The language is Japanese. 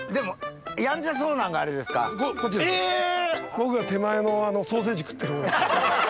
僕が手前のソーセージ食ってるほう。